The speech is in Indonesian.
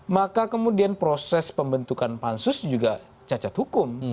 maka kemudian proses pembentukan pansus juga cacat hukum